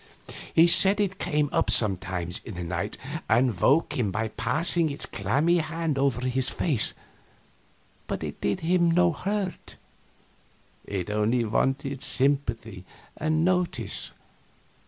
He said it came up sometimes in the night and woke him by passing its clammy hand over his face, but it did him no hurt; it only wanted sympathy and notice.